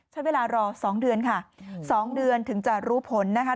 ใช้เวลารอ๒เดือนค่ะ๒เดือนถึงจะรู้ผลนะคะ